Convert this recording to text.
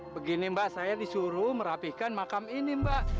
begini mbak saya disuruh merapikan makam ini mbak